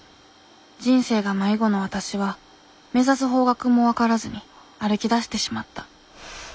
人生が迷子のわたしは目指す方角も分からずに歩きだしてしまった。